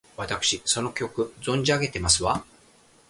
わたくしその曲、存じ上げてますわ！